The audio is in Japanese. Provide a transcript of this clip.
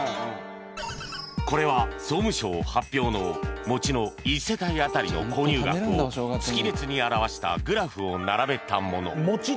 これは総務省発表のもちの１世帯当たりの購入額を月別に表したグラフを並べたもの